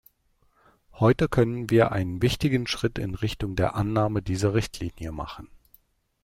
Heute können wir einen wichtigen Schritt in Richtung der Annahme dieser Richtlinie machen.